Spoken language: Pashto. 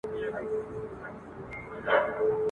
هم ویالې وې وچي سوي هم سیندونه !.